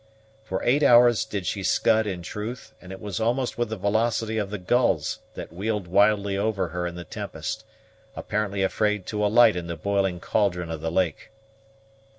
For eight hours did she scud in truth; and it was almost with the velocity of the gulls that wheeled wildly over her in the tempest, apparently afraid to alight in the boiling caldron of the lake.